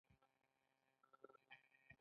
دا د پلان شوو فعالیتونو مطابقت ګوري.